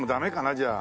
じゃあ。